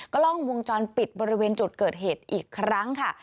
กล้องวงจรปิดบริเวณจุดเกิดเหตุอีกครั้งค่ะ